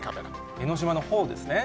江の島のほうですね。